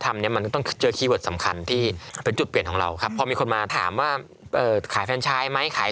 ไม่ได้จีบฟ้าทุกทีเลยเหรอ